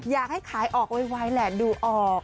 อยากให้ขายออกไวแหละดูออก